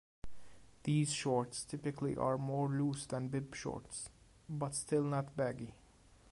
These shorts typically are more loose than bib shorts but still not baggy.